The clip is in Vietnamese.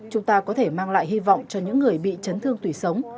chúng ta có thể mang lại hy vọng cho những người bị chấn thương tủy sống